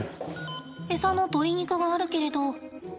餌の鶏肉があるけれど。